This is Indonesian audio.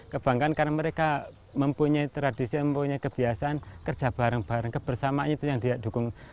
kebanggaan karena mereka mempunyai tradisi mempunyai kebiasaan kerja bareng bareng kebersamaan itu yang dia dukung